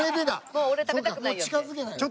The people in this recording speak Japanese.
もう俺食べたくないよって。